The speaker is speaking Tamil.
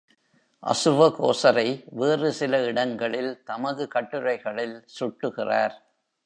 அசுவகோசரை வேறு சில இடங்களில் தமது கட்டுரைகளில் சுட்டுகிறார்.